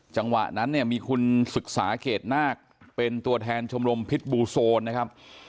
จังหวะนั้นเนี่ยมีคุณศึกษาเกรดนาคเป็นตัวแทนชมรมพิษบูโซนนะครับ